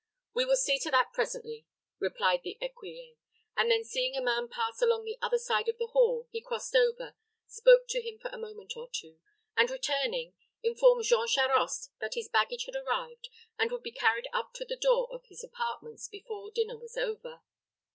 "We will see to that presently," replied the écuyer; and then seeing a man pass along the other side of the hall, he crossed over, spoke to him for a moment or two, and returning, informed Jean Charost that his baggage had arrived, and would be carried up to the door of his apartments before dinner was over.